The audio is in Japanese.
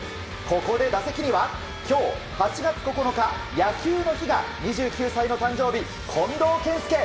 ここで打席には、今日８月９日野球の日が２９歳の誕生日近藤健介。